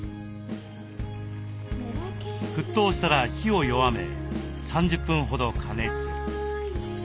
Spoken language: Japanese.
沸騰したら火を弱め３０分ほど加熱。